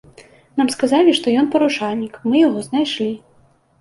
Нам сказалі, што ён парушальнік, мы яго знайшлі.